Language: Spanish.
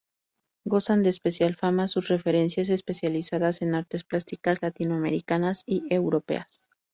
Gozan de especial fama sus referencias especializadas en artes plásticas latinoamericanas y europeas.